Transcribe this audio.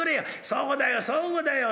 「そうだよそうだよ。